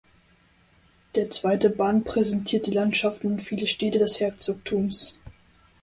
Der zweite Band präsentiert die Landschaften und viele Städte des Herzogtums.